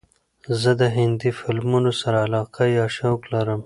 زه د هندې فیلمونو سره علاقه یا شوق لرم.